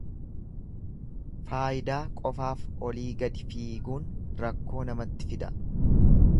Faayidaa qofaaf olii gadi fiiguun rakkoo namatti fida.